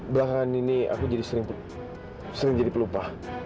belakangan ini aku jadi sering jadi pelupa